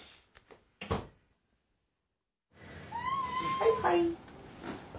はいはい。